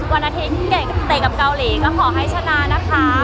วันอาทิตย์เก่งเตะกับเกาหลีก็ขอให้ชนะนะคะ